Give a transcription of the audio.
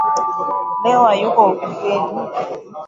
Leo hayuko ofisini